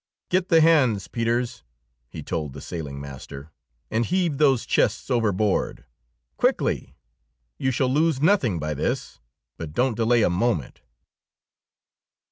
"Get the hands, Peters," he told the sailing master, "and heave those chests overboard. Quickly! You shall lose nothing by this, but don't delay a moment!"